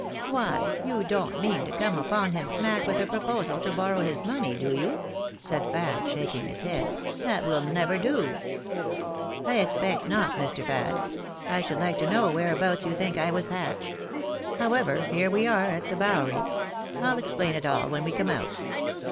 " Why you don't mean to come upon him smack with a proposal to borrow his money, do you ?" said Fad, shaking his head ;" that will never do." 278 THE BAENABYS IN AMERICA. " I_ expect not, Mr. Fad. I should like to know whereabouts you think I was hatched ? However, here we are at the Bowery — ^I'll explain it all when we come out.